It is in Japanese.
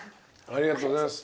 ありがとうございます。